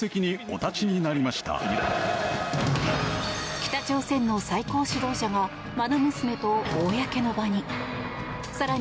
北朝鮮の最高指導者がまな娘と公の場に。